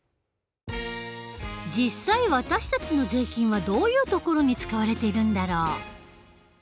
実際私たちの税金はどういうところに使われているんだろう？